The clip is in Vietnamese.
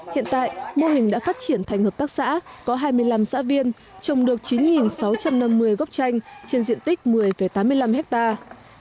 hiện tại mô hình đã phát triển thành hợp tác xã có hai mươi năm xã viên trồng được chín sáu trăm năm mươi gốc chanh trên diện tích một mươi tám mươi năm hectare